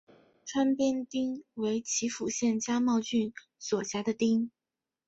川边町为岐阜县加茂郡所辖的町。